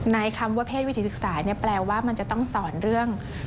คำว่าเพศวิถีศึกษาแปลว่ามันจะต้องสอนเรื่อง